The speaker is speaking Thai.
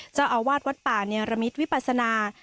เจ้าอาวาสวัดป่าเนียรมิตวิปัสนา